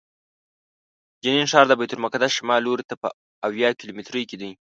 جنین ښار د بیت المقدس شمال لوري ته په اویا کیلومترۍ کې دی.